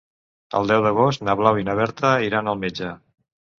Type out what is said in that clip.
El deu d'agost na Blau i na Berta iran al metge.